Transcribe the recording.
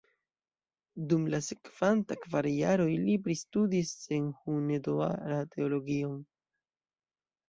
Dum la sekvantaj kvar jaroj li pristudis en Hunedoara teologion.